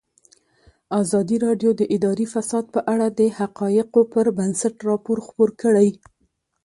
ازادي راډیو د اداري فساد په اړه د حقایقو پر بنسټ راپور خپور کړی.